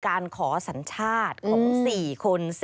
การขอสัญชาติของ๔คน